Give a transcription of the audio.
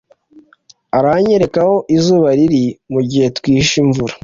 aranyereka aho izuba riri mugihe twihishe imvura.